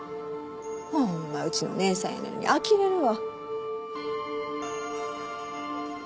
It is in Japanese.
ホンマうちの姉さんやのにあきれるわ。